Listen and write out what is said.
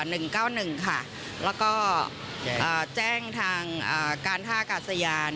หนึ่งเก้าหนึ่งค่ะแล้วก็อ่าแจ้งทางอ่าการทากาสยาน